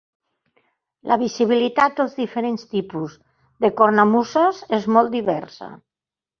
La visibilitat dels diferents tipus de cornamuses és molt diversa.